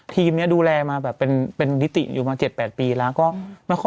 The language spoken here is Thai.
ทีมนี้ดูแลมาเป็นดิติอยู่มา๗๘ปีแล้วก็